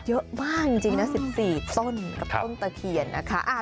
เยอะมากจริงนะ๑๔ต้นกับต้นตะเคียนนะคะ